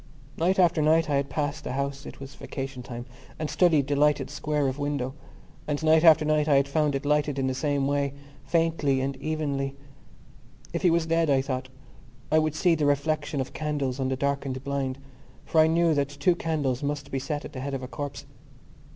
Night after night I had passed the house (it was vacation time) and studied the lighted square of window: and night after night I had found it lighted in the same way, faintly and evenly. If he was dead, I thought, I would see the reflection of candles on the darkened blind for I knew that two candles must be set at the head of a corpse.